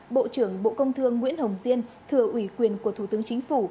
bộ trưởng bộ công thương nguyễn hồng diên thừa ủy quyền của thủ tướng chính phủ